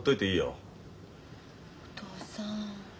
お父さん